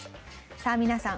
さあ皆さん